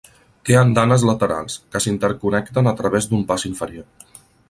Té andanes laterals, que s'interconnecten a través d'un pas inferior.